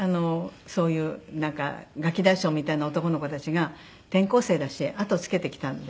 そういうガキ大将みたいな男の子たちが転校生だし後をつけてきたんです。